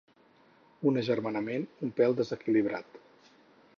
Un agermanament un pèl desequilibrat.